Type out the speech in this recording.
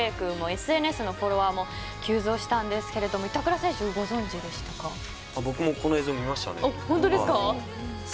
ＳＮＳのフォロワーも急増したんですけど僕もこの映像見ましたね。